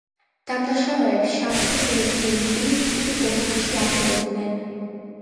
დამნაშავეებს შამხლის რეზიდენციის წინ ორმოში აგდებდნენ.